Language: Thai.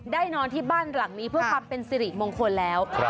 นอนที่บ้านหลังนี้เพื่อความเป็นสิริมงคลแล้ว